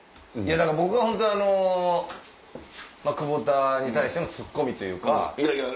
僕は本当は久保田に対してのツッコミというか。